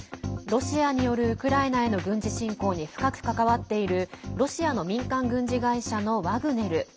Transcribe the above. ロシアによるウクライナへの軍事侵攻に深く関わっているロシアの民間軍事会社のワグネル。